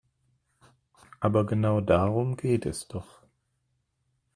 Aber genau darum geht es doch.